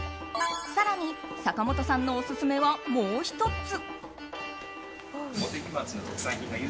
更に、坂本さんのオススメはもう１つ。